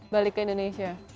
balik ke indonesia